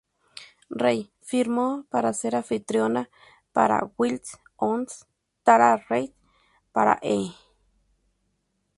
Reid firmó para ser anfitriona para "Wild On Tara Reid" para E!